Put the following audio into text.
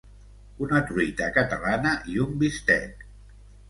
Una truita catalana i un bistec.